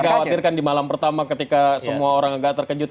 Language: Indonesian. kita khawatirkan di malam pertama ketika semua orang agak terkejut